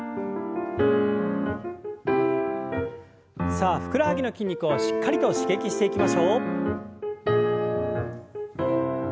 さあふくらはぎの筋肉をしっかりと刺激していきましょう。